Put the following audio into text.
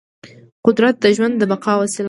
قدرت د ژوند د بقا وسیله ده.